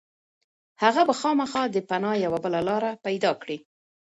هغه به خامخا د پناه یوه بله لاره پيدا کړي.